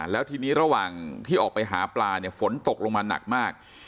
แล้วทีนี้ระหว่างที่ออกไปหาปลาเนี่ยฝนตกลงมาหนักมาก